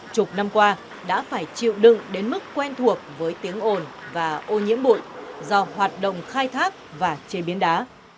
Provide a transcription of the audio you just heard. chục năm qua đã phải chịu đựng đến mức quen thuộc với tiếng ồn và ô nhiễm bụi do hoạt động khai thác và chế biến đá